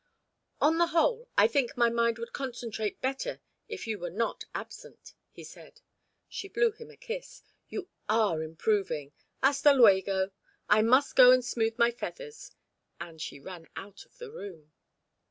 "On the whole, I think my mind would concentrate better if you were not absent," he said. She blew him a kiss. "You are improving. Hasta luego! I must go and smooth my feathers." And she ran out of the room.